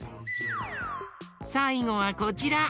さいごはこちら。